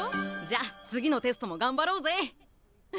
じゃあ次のテストもがんばろうぜ！